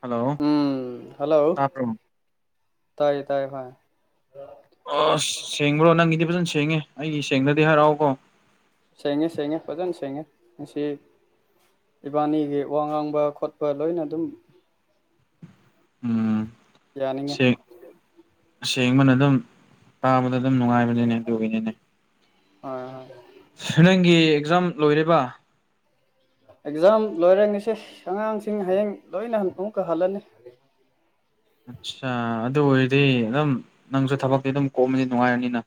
hello ꯁꯥꯄ꯭ꯔꯣ ꯇꯥꯏ ꯇꯥꯏ ꯍ ꯑꯁ ꯁꯦꯡꯕ꯭ꯔꯣ ꯅꯪꯒꯤꯗꯤ ꯐꯖꯅ ꯁꯦꯡꯉꯦ ꯑꯩꯗꯤ ꯁꯦꯡꯅꯗꯤ ꯍꯥꯏꯔꯛꯑꯣꯀꯣ ꯁꯦꯡꯉꯦ ꯁꯦꯡꯉꯦ ꯐꯖꯅ ꯁꯦꯡꯉꯦ ꯉ ꯏꯕꯥꯅꯤꯒꯤ ꯋꯥ ꯉꯥꯡꯕ ꯈꯣꯠꯄ ꯂꯣꯏꯅ ꯑꯗꯨꯝ ꯎꯝ ꯌꯥꯅꯤꯡꯉꯦ ꯑꯁꯦꯡꯕꯅ ꯑꯗꯨꯝ ꯄꯥꯕꯗ ꯑꯗꯨꯝ ꯅꯨꯡꯉꯥꯏꯕꯅꯤꯅꯦ ꯑꯗꯨꯒꯤꯅꯤꯅꯦ ꯍꯣꯏ ꯍꯣꯏ ꯁ ꯅꯪꯒꯤ ꯑꯦꯛꯖꯥꯝ ꯂꯣꯏꯔꯤꯕ ꯑꯦꯛꯖꯥꯝ ꯂꯣꯏꯔꯝꯉꯁꯦ ꯑꯉꯥꯡꯁꯤꯡ ꯍꯌꯦꯡ ꯂꯣꯏꯅ ꯑꯃꯨꯛꯀ ꯍꯜꯂꯅꯤ [unintelligible] ꯑꯠꯆꯥ ꯑꯗꯨ ꯑꯣꯏꯔꯗꯤ ꯑꯗꯨꯝ ꯅꯪꯁꯨ ꯊꯕꯛꯇꯤ ꯑꯗꯨꯝ ꯀꯣꯝꯃꯅꯤ ꯅꯨꯡꯉꯥꯏꯔꯅꯤꯅ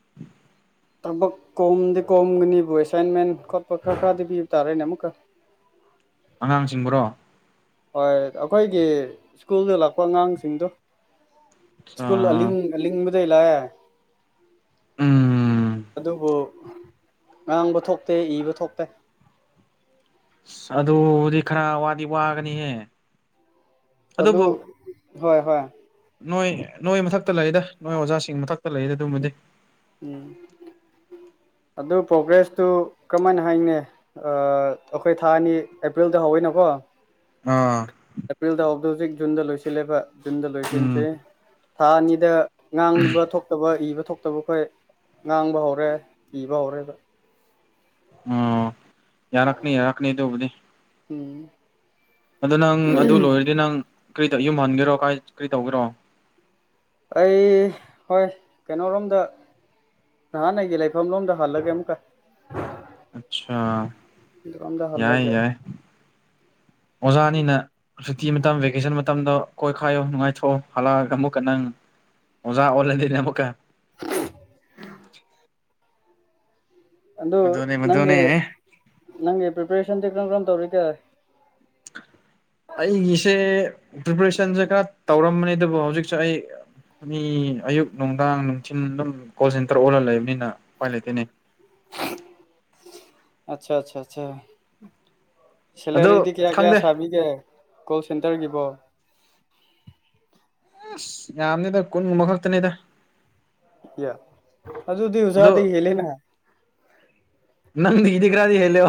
ꯊꯕꯛ ꯀꯣꯝꯗꯤ ꯀꯣꯝꯒꯅꯤꯕꯨ ꯑꯦꯁꯥꯏꯟꯃꯦꯟ ꯈꯣꯠꯄ ꯈꯔ ꯈꯔꯗꯤ ꯄꯤꯕ ꯇꯥꯔꯦꯅꯦ ꯑꯃꯨꯛꯀ ꯑꯉꯥꯡꯁꯤꯡꯕ꯭ꯔꯣ ꯍꯣꯏ ꯑꯩꯈꯣꯏꯒꯤ ꯁ꯭ꯀꯨꯜꯗ ꯂꯥꯛꯄ ꯑꯉꯥꯡꯁꯤꯡꯗꯣ ꯁ꯭ꯀꯨꯜ ꯑ ꯑꯥ ꯑꯕꯗꯒꯤꯩ ꯂꯥꯛꯑꯦ ꯎꯝ ꯑꯗꯨꯕꯨ ꯉꯥꯡꯕ ꯊꯣꯛꯇꯦ ꯏꯕ ꯊꯣꯛꯇꯦ ꯑꯗꯨꯕꯨꯗꯤ ꯈꯔ ꯋꯥꯗꯤ ꯋꯥꯒꯅꯤꯍꯦ ꯑꯗꯨ ꯑꯗꯨꯕꯨ ꯍꯣꯏ ꯍꯣꯏ ꯅꯣꯏ ꯅꯣꯏ ꯃꯊꯛꯇ ꯂꯩꯗ ꯅꯣꯏ ꯑꯣꯖꯥꯁꯤꯡ ꯃꯊꯛꯇ ꯂꯩꯔꯤꯗ ꯑꯗꯨꯃꯗꯤ ꯎꯝ ꯑꯗꯨ ꯄ꯭ꯔꯣꯒ꯭ꯔꯦꯁꯇꯨ ꯀꯔꯝꯍꯥꯏꯅ ꯍꯥꯏꯅꯦ ꯑꯩꯈꯣꯏ ꯊꯥ ꯑꯅꯤ ꯑꯦꯄ꯭ꯔꯤꯜꯗ ꯍꯧꯋꯅꯣꯀꯣ ꯑꯥ ꯑꯦꯄ꯭ꯔꯤꯜꯗ ꯍꯕꯗ ꯍꯧꯖꯤꯛ ꯖꯨꯟꯗ ꯂꯣꯏꯁꯤꯜꯂꯦꯕ ꯖꯨꯟꯗ ꯎꯝ ꯂꯣꯏꯁꯤꯟꯁꯤ ꯊꯥ ꯑꯅꯤꯗ ꯉꯥꯡꯕ ꯊꯣꯛꯇꯕ ꯏꯕ ꯊꯣꯛꯇꯕꯈꯣꯏ ꯉꯥꯡꯕ ꯍꯧꯔꯦ ꯏꯕ ꯍꯧꯔꯦ ꯑꯣ ꯌꯥꯔꯛꯅꯤ ꯌꯥꯔꯀꯅꯤ ꯑꯗꯨ ꯎꯕꯨꯗꯤ ꯎꯝ ꯑꯗꯨ ꯅꯪ ꯑꯗꯨ ꯂꯣꯏꯔꯗꯤ ꯅꯪ ꯀꯔꯤ ꯌꯨꯝ ꯍꯟꯒꯦꯔꯣ ꯀꯔꯤ ꯇꯧꯒꯦꯔꯣ ꯑꯩ ꯍꯣꯏ ꯀꯩꯅꯣꯔꯣꯝꯗ ꯊꯍꯥꯟꯅꯒ ꯂꯩꯥꯏ ꯐꯝ ꯂꯣꯝꯗ ꯍꯜꯂꯒꯦ ꯑꯃ ꯀ ꯑꯆꯥꯥ ꯔꯝꯗ ꯍꯜꯂꯒꯦ ꯑꯣꯖꯥꯅꯤꯅ ꯁꯨꯇꯤ ꯃꯇꯝ ꯚꯦꯀꯦꯁꯟ ꯃꯇꯝꯗꯣ ꯀꯣꯏꯈꯥꯏꯌꯣ ꯅꯨꯡꯉꯥꯏꯊꯣꯛꯑꯣ ꯍꯜꯂꯛꯑꯒ ꯑꯃꯨꯛꯀꯟꯅ ꯅꯪꯉꯤ ꯑꯣꯖ ꯑꯣꯔꯂꯦꯟꯗꯤꯔꯤꯅ ꯄꯀꯦ [unintelligible] ꯑꯗꯨ ꯃꯗꯨꯅꯦ ꯅꯪ ꯃꯗꯨꯅꯦ ꯅꯪꯒꯤ ꯄꯤꯄꯔꯦꯁꯟ ꯇ ꯀ ꯀꯝ ꯇꯧꯔꯤꯀꯦ ꯑꯩꯒꯤꯁꯦ ꯄ꯭ꯔꯤꯄꯦꯔꯦꯁꯟꯁꯦ ꯈꯔ ꯇꯧꯔꯝꯕꯅꯤ ꯑꯗꯨꯕꯨ ꯍꯧꯖꯤꯛꯁꯦ ꯑꯩ ꯃꯤ ꯑꯌꯨꯛ ꯅꯨꯡꯗꯥꯡ ꯅꯨꯡꯊꯤꯤꯟ ꯑꯗꯨꯝ ꯀꯣꯜ ꯁꯦꯟꯇꯔ ꯑꯣꯜꯂ ꯂꯩꯕꯅꯤꯅ ꯎꯄꯥꯏ ꯂꯩꯇꯦꯅꯦ ꯑꯆꯥ ꯑꯆꯥꯆꯥ ꯑꯆꯥ ꯑꯗꯣ ꯁꯦꯂꯔꯤꯗꯤ ꯀꯌꯥ ꯈꯪꯗꯦ ꯀꯌꯥ ꯁꯥꯕꯤꯒꯦ ꯀꯣꯜ ꯁꯦꯟꯇꯔꯒꯤꯕꯣ ꯑꯁ ꯌꯥꯝꯅꯤꯗ ꯀꯨꯟꯒꯨꯝꯕ ꯈꯛꯇꯅꯤꯗ ꯌꯥ ꯑꯗꯣ ꯑꯖꯤꯕꯨꯗꯤꯁꯗꯤ ꯍꯦꯂ ꯅ ꯅꯪꯤꯗꯤ ꯀ꯭ꯔꯥꯗꯤ ꯍꯂꯣ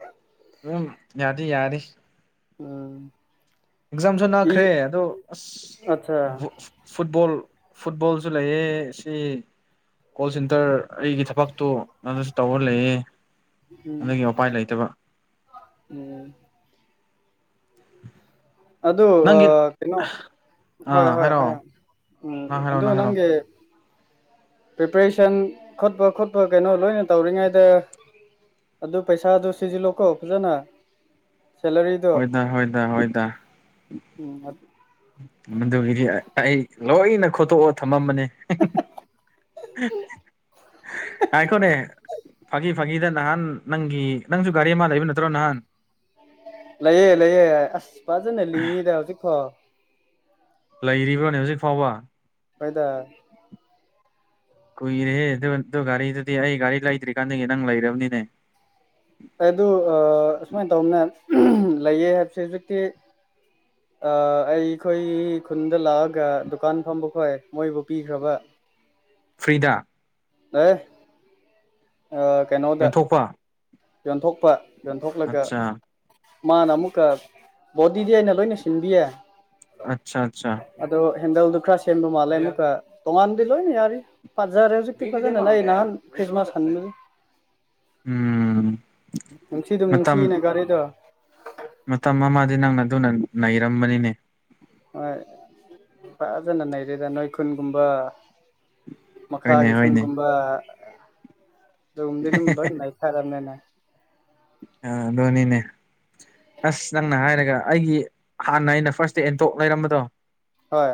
ꯑ ꯎꯝ ꯌꯥꯗꯤ ꯌꯥꯔꯦ ꯎꯝ ꯑꯦꯛꯖꯥꯝꯁꯨ ꯅꯥꯈ꯭ꯔꯦ ꯑꯗꯣ ꯑꯁ ꯑꯠꯆꯥ ꯐꯨꯠꯕꯣꯜ ꯐꯨꯠꯕꯣꯜꯁꯨ ꯂꯩꯌꯦ ꯁꯤ ꯀꯣꯜ ꯁꯦꯟꯇꯔ ꯑꯩꯒꯤ ꯊꯕꯛꯇꯣ ꯑꯗꯨꯁꯨ ꯇꯧꯔ ꯂꯩꯌꯦ ꯎꯝ ꯑꯗꯨꯒꯤ ꯎꯄꯥꯏ ꯂꯩꯇꯕ ꯎꯝ ꯑꯗ ꯑ ꯅꯪꯒꯤ ꯀꯩꯅꯣ ꯍꯣꯏ ꯑꯥ ꯍꯣꯏ ꯍ ꯍꯥꯏꯔꯛꯑꯣ ꯎꯝ ꯅꯪ ꯍꯥꯏꯔꯛꯑꯣ ꯑꯗꯨ ꯅꯪ ꯍꯥꯏꯔꯛꯑꯣ ꯅꯪꯒꯤ ꯄ꯭ꯔꯤꯄꯔꯦꯁꯟ ꯈꯣꯠꯄ ꯈꯣꯠꯄ ꯀꯩꯅꯣ ꯂꯣꯏꯅ ꯇꯧꯔꯤꯉꯩꯗ ꯑꯗꯨ ꯄꯩꯁꯥꯗꯨ ꯁꯤꯖꯤꯜꯂꯣꯀꯣ ꯐꯖꯅ ꯁꯦꯂꯔꯤꯗꯣ ꯍꯣꯏꯗ ꯍꯣꯏꯗ ꯍꯣꯏꯗ ꯎꯝ ꯃꯗꯨꯒꯤꯗꯤ ꯑꯩ ꯂꯣꯏꯅ ꯈꯣꯠꯇꯣꯛꯑꯣ ꯊꯝꯃꯝꯕꯅꯤ ꯑꯩꯈꯅꯦ ꯐ ꯐꯥꯒꯤꯗ ꯅꯍꯥꯟ ꯅꯪꯒꯤ ꯅꯪꯁꯨ ꯒꯥꯔꯤ ꯑꯃ ꯂꯩꯕ ꯅꯠꯇ꯭ꯔꯣ ꯅꯍꯥꯟ ꯂꯩꯑ ꯂꯩꯑ ꯑꯁ ꯐꯖꯅ ꯂꯤꯡꯉꯤꯗ ꯍꯧꯖꯤꯛꯈꯣ ꯂꯩꯔꯤꯕ꯭ꯔꯣꯅꯦ ꯍꯧꯖꯤꯛ ꯐꯥꯎꯕ ꯐꯣꯏꯗ ꯀꯨꯏꯔꯦ ꯑꯗꯨ ꯑꯗꯨ ꯒꯥꯔꯤꯗꯨꯗꯤ ꯑꯩ ꯒꯥꯔꯤ ꯂꯩꯇ꯭ꯔꯤꯀꯥꯟꯗꯒꯤ ꯅꯪ ꯂꯩꯔꯕꯅꯤꯅꯦ ꯑꯗꯨ ꯑꯨꯃꯥꯏꯅ ꯇꯧꯅꯦ ꯂꯩꯌꯦ ꯍꯥꯏꯕꯁꯦ ꯍꯧꯖꯤꯛꯇꯤ ꯑꯩꯈꯣꯏ ꯈꯨꯟꯗ ꯂꯥꯛꯑꯒ ꯗꯨꯀꯥꯟ ꯐꯝꯕ ꯈꯣꯏ ꯃꯣꯏꯕꯨ ꯄꯤꯈ꯭ꯔꯕ ꯎꯝ ꯐ꯭ꯔꯤꯗꯥ ꯑꯦ ꯀꯩꯅꯣꯗ ꯌꯦꯟꯊꯣꯛꯄ ꯌꯣꯟꯊꯣꯛꯄ ꯌꯣꯟꯊꯣꯛꯂꯒ ꯃꯥꯅ ꯑꯃꯨꯛꯀ ꯣꯠ ꯑꯗꯨꯗꯤꯗꯤ ꯑꯩꯅ ꯂꯣꯏꯅ ꯁꯤꯟꯕꯤꯌꯦ ꯑꯠꯆꯥ ꯑꯠꯆꯥ ꯑꯗꯣ ꯍꯦꯟꯗꯜꯗꯨ ꯀꯀ꯭ꯔ ꯁ ꯁꯦꯝꯕ ꯃꯂꯦ ꯅꯨꯀ ꯇꯣꯡꯉꯥꯟꯗꯤꯂꯣꯏ ꯅ ꯑꯔꯔꯤ ꯄꯥꯁ ꯍꯥꯔꯁꯨꯛꯛꯇꯄꯖ ꯅ ꯅꯍꯥꯟ ꯈ꯭ꯔꯤꯁꯃꯥꯁ ꯎ ꯎꯝ ꯅꯨꯡꯁꯤꯗꯨꯝ ꯅꯨꯡꯁꯤꯅꯦ ꯃꯇꯝ ꯒꯥꯔꯤꯗ ꯃꯇꯝ ꯑꯃꯗꯤ ꯅꯪꯅ ꯑꯗꯨꯅ ꯅꯩꯔꯝꯕꯅꯤꯅꯦ ꯍꯣꯏ ꯐꯖꯅ ꯅꯔꯤꯦꯗ ꯅꯣꯏ ꯈꯨꯨꯟꯒꯨꯝꯕ ꯍꯣꯏꯅꯦ ꯃꯈꯥꯒꯤ ꯍꯣꯏꯅꯦ ꯈꯨꯟꯒꯨꯝꯕ ꯎꯝꯗ ꯑꯗꯨꯝꯕ ꯈꯔꯅꯦꯅ ꯑ ꯙꯣꯅꯤꯅꯦ ꯑꯁ ꯅꯪꯅ ꯍꯥꯏꯔꯒ ꯑꯩꯒꯤ ꯍꯥꯟꯅ ꯑꯩꯅ ꯐꯥꯔꯁ ꯗ ꯑꯦꯟꯊꯣꯛ ꯂꯩꯔꯝꯕꯗꯣ ꯍꯣꯏ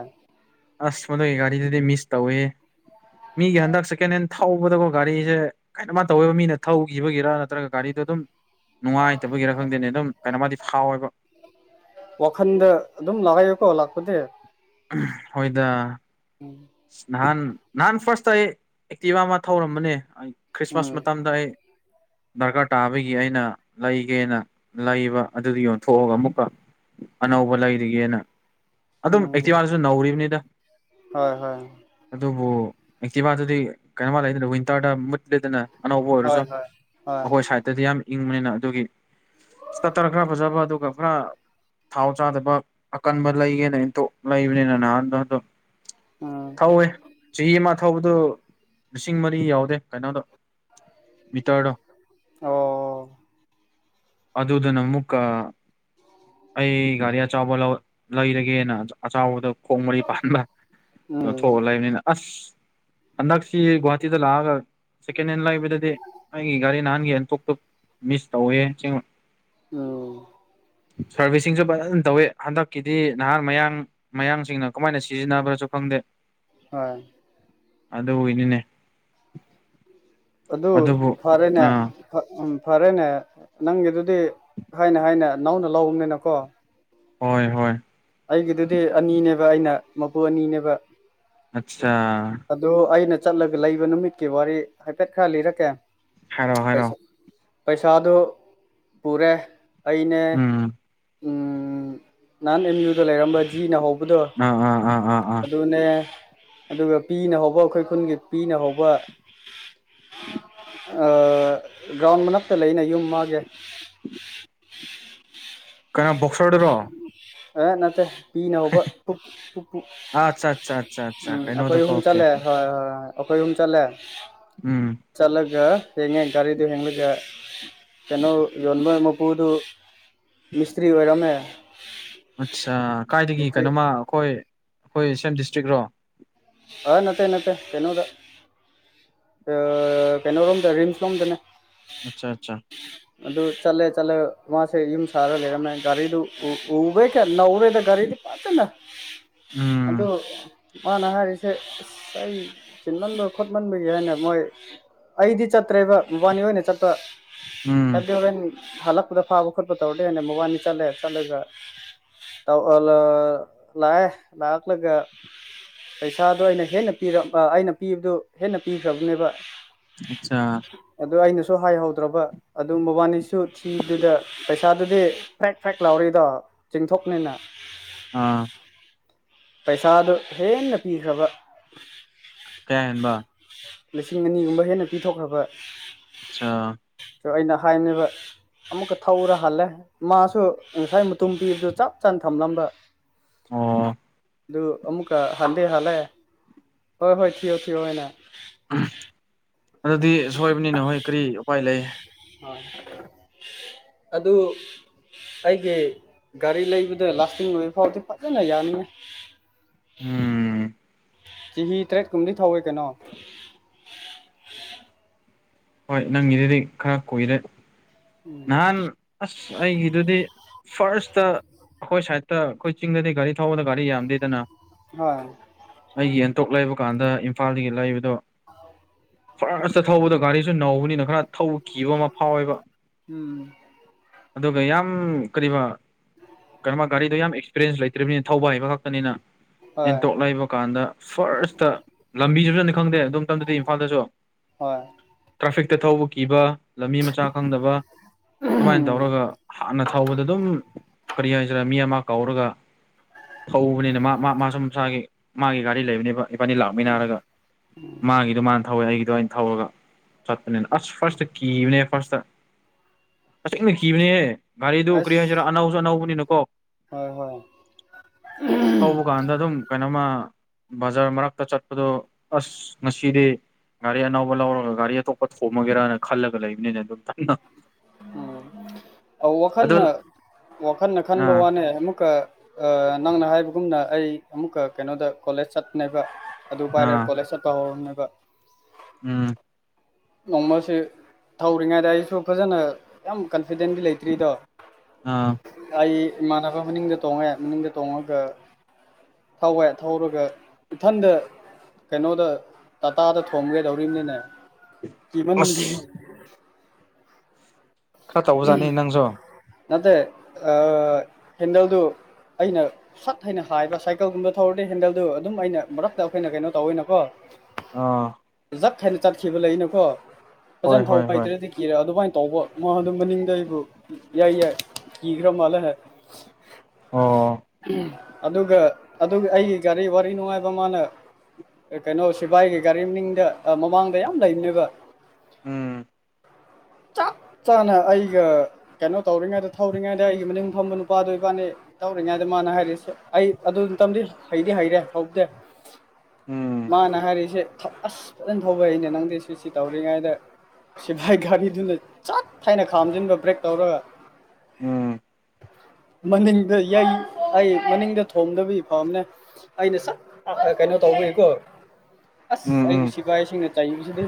ꯑꯁ ꯃꯗꯨ ꯑꯩꯒꯒꯥꯔꯤꯗꯗꯤ ꯃꯤꯁ ꯇꯧꯦ ꯃꯤꯒꯤ ꯍꯟꯗꯛ ꯁꯦꯀꯦꯟ ꯍꯦꯟ ꯊꯧꯕꯗꯀꯣ ꯒꯥꯔꯤꯁꯦ ꯀꯩꯅꯣꯃ ꯇꯧꯋꯦꯕ ꯃꯤꯅ ꯊꯧꯈꯤꯕꯒꯤꯔ ꯅꯠꯇ꯭ꯔꯒ ꯒꯥꯔꯤꯗꯣ ꯑꯗꯨꯝ ꯅꯨꯡꯉꯥꯏꯇꯕꯒꯤꯔ ꯈꯪꯗꯦꯅꯦ ꯑꯗꯨꯝ ꯀꯩꯅꯣꯃꯗꯤ ꯐꯥꯎꯋꯦꯕ ꯋꯥꯈꯟꯗ ꯑꯗꯨꯝ ꯂꯥꯛꯥꯏꯦꯀꯣ ꯂꯥꯛꯄꯗꯤ ꯍꯣꯏꯗ ꯎꯝ ꯅꯍꯥꯟ ꯅꯍꯥꯟ ꯐꯥꯔꯁꯇ ꯑꯩ ꯑꯦꯛꯇꯤꯚ ꯑꯃ ꯊꯧꯔꯝꯕꯅꯦ ꯎꯝ ꯈ꯭ꯔꯤꯁꯃꯥꯁ ꯃꯇꯝꯗ ꯑꯩ [unintelligible] ꯗꯔꯀꯥꯔ ꯇꯥꯕꯒꯤ ꯑꯩꯅ ꯂꯩꯒꯦꯅ ꯂꯩꯕ ꯑꯗꯨꯗ ꯌꯣꯟꯊꯣꯛꯑꯒ ꯑꯃꯨꯛꯀ ꯑꯅꯧꯕ ꯂꯩꯔꯤꯒꯦꯅ ꯑꯗꯨꯝ ꯎꯝ ꯑꯩꯠꯇꯤ ꯋꯥꯟꯗꯁꯨ ꯅꯧꯔꯤꯕꯅꯤꯗ ꯍꯣꯏ ꯍꯣꯏ ꯑꯗꯨꯕꯨ ꯑꯦꯛꯇꯤꯕꯥꯇꯗꯤ ꯀꯩꯅꯣꯃ ꯂꯩꯗꯅ ꯋꯤꯟꯇꯔꯗ ꯃꯨꯠ ꯂꯩꯗꯅ ꯑꯅꯧꯕ ꯍꯣꯏ ꯑꯣꯏꯔꯁꯨ ꯍꯣꯏ ꯍꯣꯏ ꯑꯩꯈꯣꯏ ꯁꯥꯏꯗꯠꯇꯗꯤ ꯌꯥꯝ ꯏꯪꯕꯅꯤꯅ ꯑꯗꯨꯒꯤ ꯇꯔ ꯈꯔ ꯐꯖꯕ ꯑꯗꯨꯒ ꯈꯔ ꯊꯥꯎ ꯆꯥꯗꯕ ꯑꯀꯟꯕ ꯂꯩꯒꯦꯅ ꯑꯟꯇꯣꯛ ꯂꯩꯕꯅꯤꯅ ꯅꯍꯥꯟꯗꯣ ꯑꯗꯨꯝ ꯎꯝ ꯊꯧꯋꯦ ꯆꯍꯤ ꯑꯃ ꯊꯧꯕꯗꯨ ꯂꯤꯁꯤꯡ ꯃꯔꯤ ꯌꯥꯎꯗꯦ ꯀꯩꯅꯣꯗꯣ ꯃꯤꯇꯔꯗꯣ ꯑꯣ ꯑꯗꯨꯗꯨ ꯑꯗꯨ ꯅꯃꯨꯀꯥ ꯑꯩ ꯒꯥꯔꯤ ꯑꯆꯥꯎꯕ ꯂꯩꯔꯒꯦꯅ ꯑꯆꯕꯗ ꯈꯣꯡ ꯃꯔꯤ ꯄꯥꯟꯕ ꯎ ꯀꯣꯊꯣꯛꯑ ꯂꯩꯕꯅꯤꯅ ꯑꯁ ꯍꯟꯗꯛꯁꯤ ꯒꯨꯍꯥꯇꯤꯗ ꯂꯥꯛꯑꯒ ꯁꯦꯀꯦꯟ ꯍꯦꯟ ꯂꯩꯕꯗꯗꯤ ꯑꯩꯒꯤ ꯒꯥꯔꯤ ꯅꯍꯥꯟꯒ ꯍꯦꯟ ꯇꯣꯛꯞ ꯇ ꯃꯤꯁ ꯇꯧꯋꯦꯕ ꯑꯣ ꯁꯥꯔꯚꯤꯁꯁꯤꯡꯁꯨ ꯐꯖꯅ ꯇꯧꯋꯤ ꯍꯟꯗꯛꯀꯤꯗꯤ ꯅꯍꯥꯥꯟ ꯃꯌꯥꯡ ꯃꯌꯥꯡꯁꯤꯡꯅ ꯀꯃꯥꯏꯅ ꯁꯤꯖꯤꯟꯅꯕ꯭ꯔꯁꯨ ꯈꯪꯗꯦ ꯍꯣꯏ ꯑꯗ ꯏꯅꯤꯅꯦ ꯑꯗꯨ ꯐꯔꯦꯅꯦ ꯎꯝ ꯐꯔꯦꯅꯦ ꯅꯪꯒꯤꯗꯨꯗꯤ ꯍꯥꯏꯅ ꯍꯥꯏꯅ ꯅꯧꯅ ꯂꯧꯕꯅꯤꯅꯀꯣ ꯍꯣꯏ ꯍꯣꯏ ꯑꯩꯒꯤꯗꯨꯗꯤ ꯑꯅꯤꯅꯦꯕ ꯑꯩꯅ ꯃꯄꯨ ꯑꯅꯤꯅꯦꯕ ꯑꯆꯥ ꯑꯗꯨ ꯑꯩꯅ ꯆꯠꯂꯒ ꯂꯩꯕ ꯅꯨꯃꯤꯠꯀꯤ ꯋꯥꯔꯤ ꯍꯥꯏꯐꯦꯠ ꯈꯔ ꯂꯤꯔꯛꯀꯦ ꯍꯔꯣ ꯍꯥꯏꯦꯔꯣ ꯄꯩꯁꯥꯗꯨꯣ ꯄꯨꯔꯦ ꯑꯅꯦ ꯎꯝ ꯟ ꯑꯦꯦꯝ ꯌꯨ ꯑꯗꯨ ꯂꯩꯔꯝꯕ ꯖꯤꯅ ꯍꯧꯕꯗꯣ ꯑꯥ ꯑꯥ ꯑꯥ ꯑꯥ ꯑꯥ ꯑꯗꯨꯅꯦ ꯑꯗꯨꯒ ꯄꯤꯅ ꯍꯧꯕ ꯑꯩꯈꯣꯏ ꯈꯨꯟꯒꯤ ꯄꯤꯅ ꯍꯧꯕ ꯒ꯭ꯔꯥꯎꯟ ꯃꯅꯥꯛꯇ ꯂꯩꯅ ꯌꯨꯝ ꯃꯥꯒꯦ ꯀꯅꯥꯣ ꯕꯣꯛꯁꯔꯗꯔꯣ ꯑꯦ ꯅꯠꯇꯦ ꯄꯤꯅ ꯍꯧꯕ ꯑꯠꯆꯥ ꯑꯠꯆꯥ ꯑꯠꯆꯥ ꯑꯠꯆꯥ ꯎꯝ ꯑꯩꯈꯣꯏ ꯀꯩꯅꯣꯗꯀꯣ ꯑꯍꯨꯝ ꯑꯣꯀꯦ ꯆꯠꯂꯦ ꯑꯣꯀꯦ ꯍꯣꯏ ꯍꯣꯏ ꯍꯣꯏ ꯑꯩꯈꯣꯏ ꯑꯍꯨꯝ ꯆꯠꯂꯦ ꯎꯝ ꯆꯠꯂꯒ ꯍꯡꯉꯦ ꯒꯥꯔꯤꯗꯣ ꯍꯦꯒ ꯀꯩꯅꯣ ꯌꯣꯟꯕ ꯃꯄꯨꯗꯨ ꯃꯤꯁꯇ꯭ꯔꯤ ꯑꯣꯏꯔꯝꯃꯦ ꯑꯠꯆꯥ ꯀꯥꯏꯗꯒꯤ ꯃꯤꯁꯇ꯭ꯔꯤ ꯀꯩꯅꯣꯃ ꯑꯩꯈꯣꯏ ꯑꯩꯈꯣꯏ ꯁꯦꯝ ꯗꯤꯁꯇ꯭ꯔꯤꯛꯔꯣ ꯍꯣꯏ ꯅꯠꯇꯦ ꯅꯠꯇꯦ ꯀꯩꯅꯣꯗ ꯑ ꯀꯩꯅꯣ ꯔꯣꯝꯗ ꯔꯤꯝꯁ ꯔꯣꯝꯗꯅꯦ ꯑꯆꯥ ꯑꯆꯥ ꯑꯗꯨ ꯆꯠꯂꯦ ꯆꯠꯂꯦ ꯃꯥꯁꯦ ꯌꯨꯝ ꯁꯥꯔꯒ ꯂꯩꯔꯝꯃꯦ ꯒꯥꯔꯤꯗꯨ ꯎꯕꯩ ꯀꯌꯥ ꯅꯧꯔꯦꯗ ꯒꯥꯔꯤꯗꯤ ꯐꯖꯅ ꯎꯝ ꯑꯗꯨ ꯃꯥꯅ ꯍꯥꯏꯔꯤꯁꯤ ꯁꯦ ꯑꯩ ꯆꯤꯟꯃꯟꯕ ꯈꯣꯠꯃꯟꯕꯒꯤ ꯍꯥꯏꯅ ꯃꯣꯏ ꯑꯩꯗꯤ ꯆꯠꯇ꯭ꯔꯦꯕ ꯃꯕꯥꯅꯤ ꯑꯣꯏꯅ ꯆꯠꯄ ꯎꯝ ꯍꯥꯏꯗꯤ ꯍꯣꯔꯦꯟ ꯍꯜꯂꯛ ꯄꯗ ꯐꯥꯕ ꯈꯣꯠꯄ ꯇꯧꯔꯗꯤꯅ ꯃꯣꯕꯥꯅꯤ ꯆꯠꯂꯦ ꯆꯠꯂꯒ ꯇꯧ ꯑꯥ ꯂꯥ ꯂꯥꯛꯑ‌ꯦ ꯂꯥꯛꯂꯒ ꯄꯩꯁꯥꯗꯣ ꯑꯩꯅ ꯍꯦꯟꯅ ꯄꯤ ꯑꯩꯅ ꯄꯤꯕꯗꯨ ꯍꯦꯟꯅ ꯄꯤꯈ꯭ꯔꯕꯅꯦꯕ ꯑꯠꯆꯥ ꯑꯗꯨ ꯑꯩꯅꯁꯨ ꯁꯨ ꯍꯥꯏꯍꯧꯗ꯭ꯔꯕ ꯑꯗꯨꯝ ꯃꯕꯥꯅꯤꯁꯨ ꯊꯤꯕꯗꯥ ꯄꯩꯁꯥꯗꯨꯗꯤ ꯄ꯭ꯔꯦꯛ ꯄ꯭ꯔꯦꯛ ꯂꯥꯎꯔꯤꯏꯗꯣ ꯆꯤꯡꯊꯣꯛ ꯄꯅꯤꯅ ꯑꯥ ꯄꯩꯁꯥꯗꯨ ꯍꯦꯟꯅ ꯄꯤꯈ꯭ꯔꯕ ꯀꯌꯥ ꯍꯦꯟꯕ ꯂꯤꯁꯤꯡ ꯑꯅꯤꯒꯨꯝꯕ ꯍꯦꯟꯅ ꯄꯤꯊꯣꯛꯈ꯭ꯔꯕ ꯑꯠꯁꯥ ꯁꯨ ꯑꯩꯅ ꯍꯥꯏꯕꯅꯦꯕ ꯑꯃꯨꯛꯀ ꯊꯧꯔ ꯍꯥꯜꯂꯦ ꯃꯥꯁꯨ ꯉꯁꯥꯏ ꯃꯇꯨꯝ ꯄꯤꯕꯗꯨ ꯆꯞ ꯆꯥꯅ ꯊꯝꯂꯝꯕ ꯑꯣ ꯑꯗꯨ ꯑꯃꯨꯛꯀ ꯍꯟꯗꯤ ꯍꯥꯜꯂꯦ ꯍꯣꯏ ꯍꯣꯏ ꯊꯤꯌꯣ ꯊꯤꯌꯣ ꯑꯣꯏꯅ ꯑꯗꯨꯗꯤ ꯁꯣꯏꯕꯅꯤꯅꯣ ꯍꯣꯏ ꯀꯔꯤ ꯎꯄꯥꯏ ꯂꯩ ꯍꯣꯏ ꯑꯗꯨ ꯑꯩꯒꯤ ꯒꯥꯔꯤ ꯂꯩꯕꯗ ꯂꯥꯁꯇꯤꯡ ꯑꯣꯏꯕ ꯐꯥꯎꯗꯤ ꯐꯖꯅ ꯌꯥꯅꯤꯉꫭ ꯎꯝ ꯆꯍꯤ ꯇꯔꯦꯠꯀꯨꯝꯕꯗꯤ ꯊꯧꯋꯦ ꯀꯩꯅꯣ ꯍꯣꯏ ꯅꯪꯒꯤꯗꯨꯗꯤ ꯈꯔ ꯀꯨꯏꯔꯦ ꯅꯍꯥꯟ ꯑꯁ ꯑꯩꯒꯤꯗꯨꯗꯤ ꯐꯥꯔꯁꯇ ꯑꯩꯈꯣꯏ ꯁꯥꯏꯠꯇ ꯑꯩꯈꯣꯏ ꯆꯤꯡꯗꯗꯤ ꯒꯥꯔꯤ ꯊꯧꯕꯗ ꯒꯥꯔꯤ ꯌꯥꯝꯗꯦꯗꯅ ꯍꯣꯏ ꯇꯣꯛ ꯂꯩꯕ ꯀꯥꯟꯗ ꯏꯝꯐꯥꯜꯗꯒꯤ ꯂꯩꯕꯗꯣ ꯑꯥꯎ [unintelligible] ꯐꯁꯇ ꯊꯧꯕꯗꯣ ꯒꯥꯔꯤꯁꯨ ꯅꯧꯕꯅꯤꯅ ꯈꯔ ꯊꯧꯕ ꯀꯤꯕ ꯑꯃ ꯐꯥꯎꯋꯦꯕ ꯎꯝ ꯑꯗꯨꯒ ꯌꯥꯝ ꯀꯔꯤꯕ ꯀꯩꯅꯣꯃ ꯒꯥꯔꯤꯗꯣ ꯌꯥꯝ ꯑꯦꯛꯁꯄꯤꯔꯦꯟꯁ ꯂꯩꯇ꯭ꯔꯤꯕꯅꯤꯅ ꯊꯧꯕ ꯍꯩꯏꯕ ꯈꯛꯇꯅꯤꯅ ꯍꯣꯏ ꯑꯦꯟꯇꯣꯛ ꯂꯩꯕ ꯀꯥꯟꯗ ꯐꯥꯔꯁꯇ ꯂꯝꯕꯤꯗꯨꯅꯅ ꯈꯪꯗꯦ ꯑꯗꯨꯝ ꯗꯤ ꯏꯝꯐꯥꯜꯗꯁꯨ [unintelligible] ꯍꯣꯏ ꯇ꯭ꯔꯥꯐꯤꯛꯇ ꯊꯧꯕ ꯀꯤꯕ ꯂꯝꯕꯤ ꯃꯆꯥ ꯈꯪꯗꯕ ꯑꯗꯨꯃꯥꯏꯅ ꯎꯝ ꯇꯧꯔꯒ ꯍꯥꯟꯅ ꯊꯧꯕꯗ ꯑꯗꯨꯝ ꯀꯔꯤ ꯍꯥꯏꯁꯤꯔ ꯃꯤ ꯑꯃ ꯀꯥꯎꯔꯒ ꯊꯧꯕꯅꯤꯅ ꯃꯥ ꯃꯥ ꯃꯥꯁꯨ ꯃꯁꯥꯒꯤ ꯃꯥꯒꯤ ꯒꯥꯔꯤ ꯂꯩꯕꯅꯦꯕ ꯏꯕꯥꯅꯤ ꯂꯥꯛꯃꯤꯟꯅꯔꯒꯥ ꯃꯥꯒꯤꯗꯣ ꯃꯥꯅ ꯊꯧꯋꯦ ꯑꯩꯒꯤꯗꯣ ꯑꯩꯅ ꯊꯧꯔꯒ ꯆꯠꯄꯅꯤ ꯑꯁ ꯐꯥꯇ ꯀꯤꯕꯅꯦ ꯐꯥꯇ ꯇꯁ‌ꯦꯡꯅ ꯀꯤꯕꯅꯦꯍ‌ꯦ ꯒꯥꯔꯤꯗꯨ ꯑꯁ ꯀꯔꯤꯍꯥꯏꯁꯤꯔꯥ ꯑꯅꯧꯁꯨ ꯑꯅꯧꯕꯅꯤꯅꯀꯣ ꯍꯣꯏ ꯍꯣꯏ ꯊꯧꯕ ꯀꯥꯟꯗ ꯑꯗꯨꯝ ꯀꯩꯅꯣꯃ ꯕꯖꯥꯔ ꯃꯔꯛꯇ ꯆꯠꯄꯗꫭ ꯑꯁ ꯉꯁꯤꯗꯤ ꯒꯥꯔꯤ ꯑꯅꯧꯕ ꯂꯧꯔꯒ ꯒꯥꯔꯤ ꯑꯇꯣꯞꯄ ꯊꯣꯝꯃꯒꯦꯔꯅ ꯈꯜꯂꯒ ꯂꯩꯕꯅꯤꯅ ꯑꯗꯨꯝ ꯀꯟꯅ ꯑ ꯋꯥꯈꯜꯅ ꯋꯥꯈꯜꯅ ꯈꯟꯕ ꯑꯥ ꯋꯥꯅꯦ ꯑꯃꯨꯛꯀ ꯑ ꯅꯪꯅ ꯍꯥꯏꯕꯒꯨꯝꯅ ꯑꯩ ꯑꯃꯨꯛꯀ ꯀꯩꯅꯣꯗ ꯀꯣꯂꯦꯖ ꯆꯠꯄꯅ‌ꯦꯕ ꯑꯗꯨ ꯄꯥꯏꯔꯦ ꯑꯥ ꯀꯣꯂꯦꯖꯇ ꯇꯧꯍꯧꯅ‌ꯦꯕ ꯎꯝ ꯅꯣꯡꯃꯁꯨ ꯊꯧꯔꯤꯉꯩꯗ ꯑꯩꯁꯨ ꯐꯖꯅ ꯌꯥꯝ ꯐꯤꯗꯟꯗꯤ ꯂꯩꯇ꯭ꯔꯤꯗꯣ ꯑꯥ ꯑꯩ ꯏꯃꯥꯟꯅꯕ ꯃꯅꯤꯡꯗ ꯇꯣꯡꯉꯦ ꯃꯅꯤꯡꯗ ꯇꯣꯡꯉꯒ ꯊꯧꯋ‌ꯦ ꯊꯧꯔꯒ ꯏꯊꯟꯗ ꯀꯩꯅꯣꯗ ꯇꯥꯇꯥꯗ ꯊꯣꯡꯝꯒꯦꯗꯧꯔꯤꯕꯅꯤꯅꯦ ꯀꯃꯟ ꯑꯁ ꯈꯔ ꯇꯧꯕꯖꯥꯠꯅꯤ ꯅꯪꯁꯨ ꯅꯦ ꯍꯦꯟꯗꯦꯜꯗꯨ ꯑꯩꯅ ꯁꯠ ꯍꯥꯏꯅ ꯍꯥꯏꯕ ꯁꯥꯏꯀꯜꯒꯨꯝꯕ ꯊꯧꯔꯗꯤ ꯍꯦꯟꯗꯜꯗꯨ ꯑꯗꯨꯝ ꯑꯩꯅ ꯃꯔꯛꯇ ꯑꯩꯈꯣꯏꯅ ꯀꯩꯅꯣ ꯇꯧꯋꯅꯀꯣ ꯑꯥ ꯆꯠ ꯍꯅ ꯆꯠꯈꯤꯕ ꯂꯩꯅꯀꯣ ꯍꯣꯏ ꯐꯖꯅ ꯍꯣꯏ ꯊꯧꯕ ꯍꯣꯏ ꯍꯩꯇ꯭ꯔꯗꯤ ꯀꯤꯔ ꯑꯗꯨꯃꯥꯏꯅ ꯇꯧꯕ ꯃꯉꯣꯟꯗ ꯃꯅꯤꯡꯗ ꯑꯩꯕꯨ ꯌꯥꯏ ꯌꯥꯏ ꯀꯤꯈ꯭ꯔ ꯃꯥꯜꯂ ꯍꯥꯏ ꯑꯣ ꯑꯗꯨꯒ ꯑꯗꯨ ꯑꯩꯒꯤ ꯒꯥꯔꯤ ꯋꯥꯔꯤ ꯅꯨꯡꯉꯥꯏꯕ ꯃꯥꯅ ꯀꯩꯅꯣ ꯁꯤꯕꯥꯏꯒꯤ ꯒꯥꯔꯤ ꯃꯤꯡꯗ ꯃꯃꯥꯡꯗ ꯌꯥꯝ ꯂꯩꯅꯦꯕ ꯎꯝ ꯆ ꯆꯞ ꯆꯥꯅ ꯑꯩꯒ ꯀꯩꯅꯣ ꯇꯧꯔꯤꯉꯩꯗ ꯊꯧꯔꯤꯉꯩꯗ ꯑꯩꯒꯤ ꯃꯅꯤꯡ ꯐꯝꯕ ꯅꯨꯄꯥꯗꯣ ꯏꯕꯥꯅꯤ ꯇꯧꯔꯤꯉꯩꯗ ꯃꯥ ꯅ ꯍꯥꯏꯔꯤꯁꯦ ꯑꯩ ꯑꯗꯨꯇꯗꯤ ꯍꯩꯗꯤ ꯍꯩꯔꯦ ꯍꯧꯗꯦ ꯎꯝ ꯃꯥꯅ ꯍꯔꯤꯁꯦ ꯑꯁ ꯐꯖꯅ ꯊꯧꯕ ꯑꯅꯦ ꯅꯪꯗꯤ ꯁꯤ ꯁꯤ ꯇꯧꯔꯤꯉꯩꯗ ꯁꯤꯐꯚꯥꯏ ꯒꯥꯔꯤꯗꯨꯅ ꯆꯠ ꯊꯥꯏꯅ ꯈꯥꯝꯖꯤꯟꯕ ꯕ꯭ꯔꯦꯛ ꯇꯧꯔꯒ ꯎꯝ ꯃꯅꯤꯡꯗꯏ ꯑꯩ ꯃꯅꯤꯡꯗ ꯊꯣꯝꯗꯕꯒꯤ ꯐꯥꯝꯅꯦ ꯑꯩꯅ ꯆ ꯀꯩꯅꯣ ꯇꯧꯕꯅꯤꯀꯣ ꯑꯁ ꯎꯝ ꯎꯝ ꯑꯩꯒꯤꯁꯤꯀꯌꯦꯁꯤꯅ ꯇꯏ ꯁꯤꯗ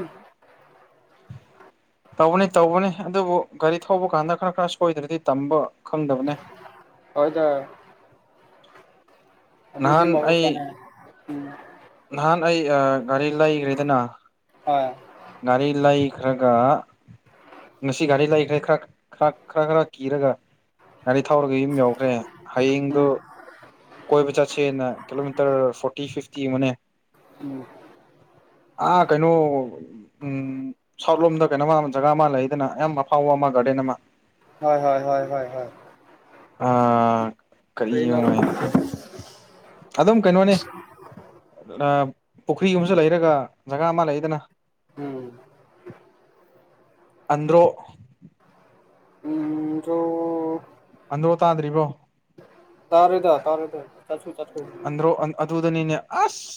ꯇꯧꯕꯅꯤ ꯇꯧꯕꯅꯤ ꯑꯗꯨꯕꯨ ꯒꯥꯔꯤ ꯊꯧꯕ ꯀꯥꯟꯗ ꯈꯔ ꯈꯔ ꯁꯣꯏꯗ꯭ꯔꯗꯤ ꯇꯝꯕ ꯈꯪꯗꯕꯅꯦ ꯍꯣꯏꯗ ꯑꯗꯨꯗꯤ ꯅꯍꯥꯟ ꯑꯩ ꯃꯧꯁꯅꯦ ꯎꯝ ꯅꯍꯥꯟ ꯑꯩ ꯒꯥꯔꯤ ꯂꯩꯈ꯭ꯔꯦꯗꯅ ꯍꯣꯏ ꯒꯥꯔꯤ ꯂꯩ ꯈ꯭ꯔꯒ ꯉꯁꯤ ꯘꯔꯤ ꯂꯩꯈ꯭ꯔꯦ ꯈꯔ ꯈꯔ ꯈꯔ ꯈꯔ ꯀꯤꯔꯒ ꯒꯥꯔꯤ ꯊꯧꯔꯒ ꯌꯨꯝ ꯌꯥꯧꯈ꯭ꯔꯦ ꯍꯌꯦꯡꯗꯨꯣ ꯀꯣꯏꯕ ꯆꯠꯁꯦꯅ ꯀꯤꯂꯣꯃꯤꯇꯔ ꯐꯣꯔꯇꯤ ꯐꯤꯐꯇꯤ ꯃꯅꯦ ꯑꯣ ꯑꯥ ꯀꯩꯅꯣ ꯎ ꯁꯥꯎꯠ ꯂꯣꯝꯗ ꯀꯩꯅꯣꯃ ꯖꯒꯥ ꯑꯃ ꯂꯩꯗꯅ ꯌꯥꯝ ꯑꯐꯥꯎꯕ ꯑꯃꯒ ꯀꯅꯃ ꯍꯣꯏ ꯍꯣꯏ ꯍꯣꯏ ꯍ ꯑꯥ ꯇꯔꯤꯅꯔ ꯑꯗꯨꯝ ꯀꯩꯅꯣꯅꯦ ꯄꯨꯈ꯭ꯔꯤꯒꯨꯝꯁꯨ ꯂꯩꯔꯒ ꯖꯒꯥ ꯑꯃ ꯂꯩꯗꯅ ꯎꯝ ꯑꯟꯗ꯭ꯔꯣ ꯎꯁꯨꯣ ꯑꯟ ꯍꯣ ꯇꯗ꯭ꯔꯤꯔꯤꯕꯣ ꯇꯔꯦꯗ ꯇꯥꯔꯦꯗ ꯆꯁꯨ ꯑꯗ꯭ꯔꯣ ꯑꯨꯗꯅꯤꯅꯦ ꯑꯁ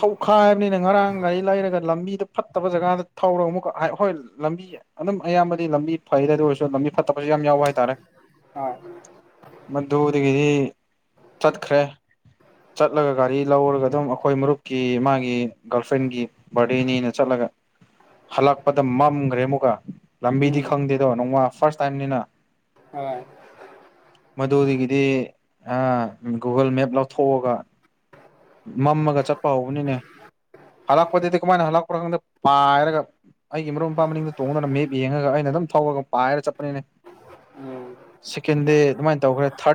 ꯊꯧꯈꯥꯏ ꯍꯥꯏꯕꯅꯤꯅ ꯉꯔꯥꯡ ꯒꯥꯔꯤ ꯂꯩꯔꯒ ꯂꯝꯕꯤꯗ ꯐꯠꯇꯕ ꯖꯒꯥꯗ ꯊꯧꯔꯒ ꯑꯃꯨꯛꯀ ꯍꯣꯏ ꯂꯝꯕꯤ ꯑꯗꯨꯝ ꯑꯌꯥꯝꯕꯗꯤ ꯂꯝꯕꯤ ꯐꯩꯗ ꯑꯗꯨ ꯑꯣꯏꯔꯁꯨ ꯂꯝꯕꯤ ꯐꯠꯇꯕꯁꯨ ꯌꯥꯝ ꯌꯥꯎꯕ ꯍꯥꯏꯇꯥꯔꯦ ꯍꯣꯏ ꯃꯗꯨꯗꯒꯤꯗꯤ ꯆꯠꯈ꯭ꯔꯦ ꯆꯠꯂꯒ ꯒꯥꯔꯤ ꯂꯧꯔꯒ ꯑꯗꯨꯝ ꯑꯩꯈꯣꯏ ꯃꯔꯨꯞ ꯀꯤ ꯃꯥꯒꯤ ꯒꯥꯔꯜ ꯐ꯭ꯔꯦꯟꯒꯤ ꯕꯥꯔꯗꯦꯅꯤꯅ ꯆꯠꯂꯒ ꯍꯜꯂꯛꯄꯗ ꯃꯝꯈ꯭ꯔꯦ ꯑꯃꯨꯛꯒ ꯂꯝꯕꯤꯗꯤ ꯈꯪꯗꯦꯗꯣ ꯅꯣꯡꯃ ꯐꯥꯔꯁ ꯇꯥꯏꯝꯅꯤꯅ ꯍꯣꯏ ꯃꯗꯨꯗꯒꯤꯗꯤ ꯒꯨꯒꯜ ꯃꯦꯞ ꯂꯧꯊꯣꯛꯑꯒ ꯃꯝꯃꯒ ꯆꯠꯄ ꯍꯧꯕꯅꯤꯅꯦ ꯍꯜꯂꯛꯄꯗꯗꯤ ꯀꯃꯥꯏꯅ ꯍꯜꯂꯛꯄꯣ ꯈꯗ ꯄꯥꯏꯔꯒ ꯑꯩꯒꯤ ꯃꯔꯨꯞ ꯃꯄꯥꯡ ꯃꯅꯤꯡꯗ ꯇꯣꯡꯗꯨꯅ ꯃꯦꯞ ꯌꯦꯡꯉꯒ ꯑꯩꯅ ꯑꯗꯨꯝ ꯊꯧꯔꯒ ꯄꯥꯏꯔ ꯆꯠꯄꯅꯤꯅꯦ [unintelligible] ꯁꯦꯀꯦꯟꯗꯦ ꯑꯗꯨꯃꯥꯏꯅ ꯇꯧꯈ꯭ꯔꯦ ꯊꯥꯔꯠ